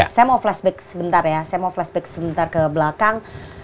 saya mau flashback sebentar ya saya mau flashback sebentar ke belakang